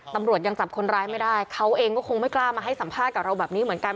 ตำรวจยังจับคนร้ายไม่ได้เขาเองก็คงไม่กล้ามาให้สัมภาษณ์กับเราแบบนี้เหมือนกัน